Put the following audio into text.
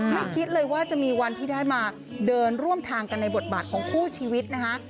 คิดเลยว่าจะมีวันที่ได้มาเดินร่วมทางกันในบทบาทของคู่ชีวิตนะคะ